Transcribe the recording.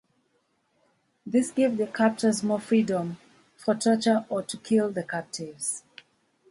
This gave the captors more freedom for torture or to kill the captives.